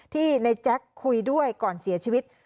ที่ในแจ๊คคุยด้วยก่อนเสียชีวิต